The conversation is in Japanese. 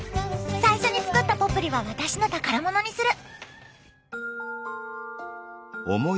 最初に作ったポプリは私の宝物にする！